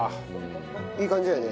いい感じだよね？